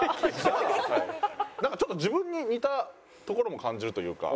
ちょっと自分に似たところも感じるというか。